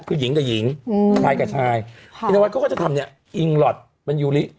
คือหญิงกับหญิงอืมชายกับชายพี่นวัดเขาก็จะทำเนี่ยอิงหลอทเป็นยูริ